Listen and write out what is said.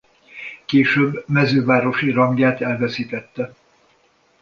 Később mezővárosi rangját elveszítette.